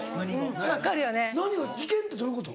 危険ってどういうこと？